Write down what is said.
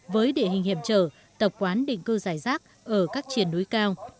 với địa hình hiểm trở tập quán định cư giải rác ở các triển núi cao